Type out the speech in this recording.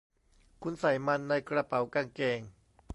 คุณใส่มันในกระเป๋ากางเกง